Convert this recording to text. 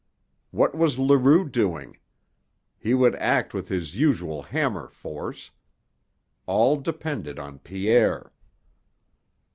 What was Leroux doing? He would act with his usual hammer force. All depended on Pierre.